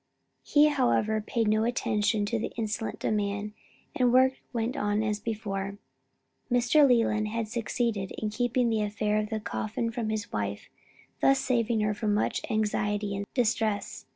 He however paid no attention to the insolent demand, and the work went on as before. Mr. Leland had succeeded in keeping the affair of the coffin from his wife thus saving her much anxiety and distress.